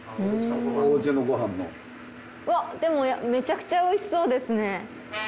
でもめちゃくちゃおいしそうですね。